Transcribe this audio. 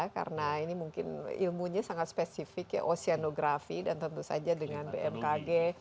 karena ini mungkin ilmunya sangat spesifik oceanografi dan tentu saja dengan bmkg